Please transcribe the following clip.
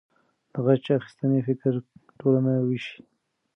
د غچ اخیستنې فکر ټولنه ویشي.